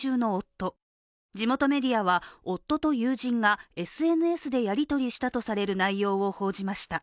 地元メディアは夫と友人がＳＮＳでやりとりしたとされる内容を報じました。